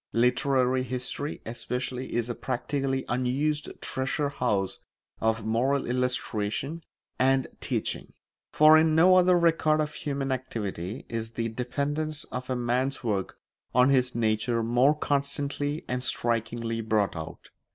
Literary history, especially, is a practically unused treasure house of moral illustration and teaching; for in no other record of human activity is the dependence of a man's work on his nature more constantly and strikingly brought out.